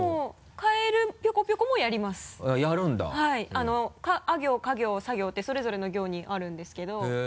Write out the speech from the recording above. あ行か行さ行ってそれぞれの行にあるんですけど。